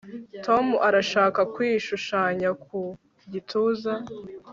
Tom arashaka kwishushanya ku gituza